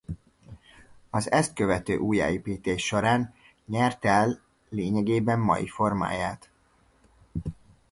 Az ezt követő újjáépítés során nyerte lényegében mai formáját.